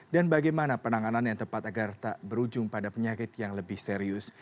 dan bagaimana penanganan yang tepat agar tak berujung pada penyakit yang lebih serius